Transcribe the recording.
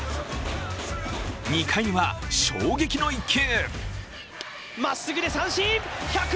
２回には、衝撃の一球。